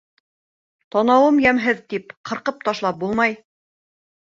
«Танауым йәмһеҙ» тип ҡырҡып ташлап булмай